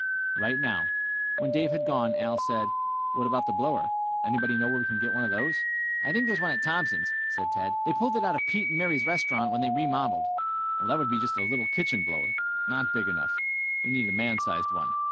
"Right now." When Dave had gone, Al said, "What about the blower? Anybody know where we can get one of those?" "I think there's one at Thompson's," said Ted. "They pulled it out of Pete and Mary's restaurant when they remodeled." "That would be just a little kitchen blower. Not big enough we need a man sized one."